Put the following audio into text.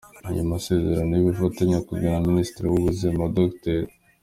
Ayo masezerano y’ubufatanye yakozwe na Minisitiri w’Ubuzima Dr.